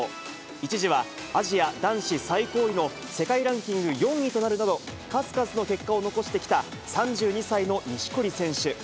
一時はアジア男子最高位の世界ランキング４位となるなど、数々の結果を残してきた３２歳の錦織選手。